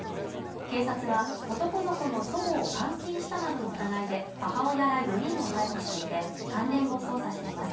警察は、男の子の祖母を監禁したなどの疑いで母親ら４人を逮捕していて関連を捜査しています